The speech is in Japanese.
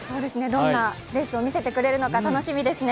どんなレースを見せてくれるのか楽しみですね。